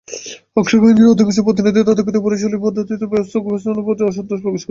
অংশগ্রহণকারী অধিকাংশ প্রতিনিধি তথাকথিত পুরুষালি পদ্ধতিতে ব্যবসা ব্যবস্থাপনার প্রতি অসন্তোষ প্রকাশ করেন।